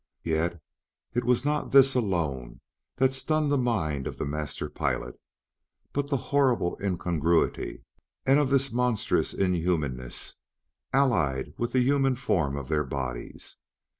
Yet it was not this alone that stunned the mind of the master pilot, but the horrible incongruity, of this monstrous inhumanness allied with the human form of their bodies.